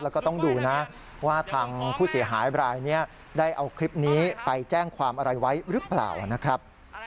แล้วก็ต้องดูนะว่าทางผู้เสียหายบรายนี้ได้เอาคลิปนี้ไปแจ้งความอะไรไว้หรือเปล่านะครับ